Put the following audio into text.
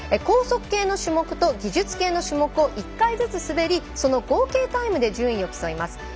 高速系の種目と技術系の種目を１回ずつ滑りその合計タイムで順位を競います。